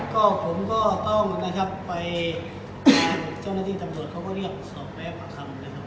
ก็ผมก็ต้องนะครับไปทางเจ้าหน้าที่ตำรวจเขาก็เรียกสอบแพ้ประคำนะครับ